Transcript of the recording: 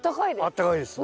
あったかいです。